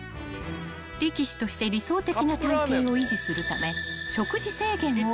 ［力士として理想的な体形を維持するため］